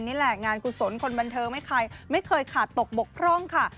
นี่แหละงานกุศลคนบันเทิงไม่เคยขาดตกบกพร่องค่ะ